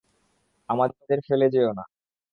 আমাদের ফেলে যেয়ো না!